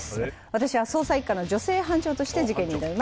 私は捜査１課の女性班長として事件に挑みます